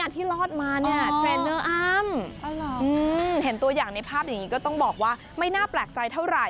แต่ว่าเห็นตัวอย่างในภาพอย่างนี้ก็ต้องบอกว่าไม่น่าแปลกใจเท่าไหร่